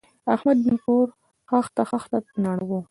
احمد نن کور خښته خښته نړاوه.